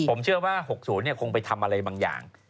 ผมเชื่อว่า๖๐คงไปทำอะไรบางอย่าง